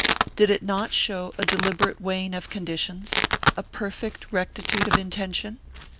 Did it not show a deliberate weighing of conditions, a perfect rectitude of intention?